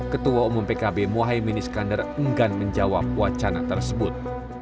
ketua umum pkb mohaimin iskandar enggan menjawab wacana tersebut